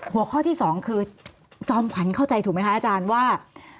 หัวข้อที่๒คือจอมขวัญเข้าใจถูกไหมคะอาจารย์ว่า